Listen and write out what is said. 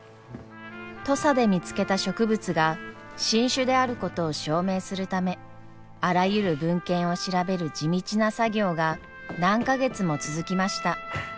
土佐で見つけた植物が新種であることを証明するためあらゆる文献を調べる地道な作業が何か月も続きました。